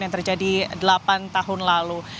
yang terjadi delapan tahun lalu